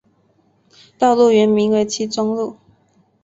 道路原名为七中路。